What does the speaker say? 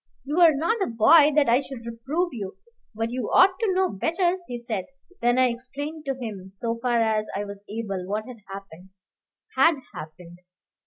"You are not a boy, that I should reprove you; but you ought to know better," he said. Then I explained to him, so far as I was able, what had happened. Had happened?